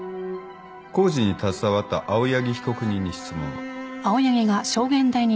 工事に携わった青柳被告人に質問を。